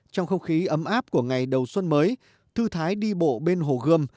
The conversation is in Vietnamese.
trong không khí ấm áp của ngày đầu xuân mới thư thái đi bộ bên hồ gươm